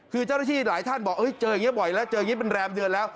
คือเจ้าหน้าที่หลายท่านบอกเจออย่างนี้บ่อยแล้วเจออย่างนี้เป็นแรมเดือนแล้ว